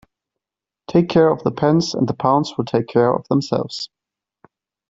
Take care of the pence and the pounds will take care of themselves.